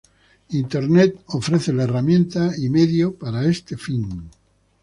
Internet ofrece la herramienta y medio para este fin.